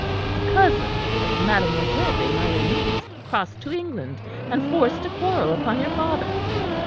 A cousin of Mademoiselle de Maligny's crossed to England, and forced a quarrel upon your father.